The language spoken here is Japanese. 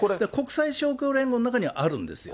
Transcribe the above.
この勝共連合の中にはあるんですよ。